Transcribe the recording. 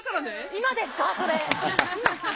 今ですか、それ。